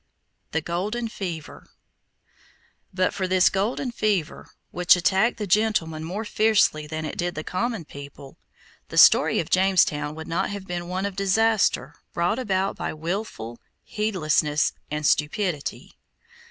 THE GOLDEN FEVER But for this golden fever, which attacked the gentlemen more fiercely than it did the common people, the story of Jamestown would not have been one of disaster brought about by willful heedlessness and stupidity.